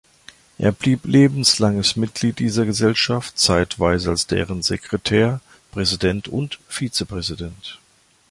Er blieb lebenslanges Mitglied dieser Gesellschaft, zeitweise als deren Sekretär, Präsident und Vize-Präsident.